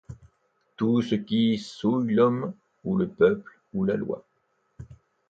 Tout ce qui sàuille l'homme ou le peuple ou la loi